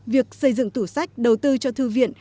việc xây dựng tủ sách đầu tư cho thư viện